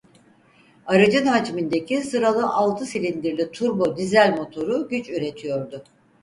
Aracın hacmindeki sıralı altı silindirli turbo dizel motoru güç üretiyordu.